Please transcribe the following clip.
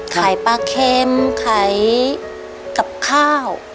ขายปลาเค็มขายกับข้าว